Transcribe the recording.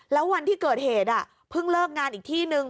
แล้ววันที่เกิดเหตุเพิ่งเลิกงานอีกที่นึง